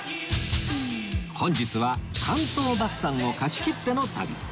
本日は関東バスさんを貸し切っての旅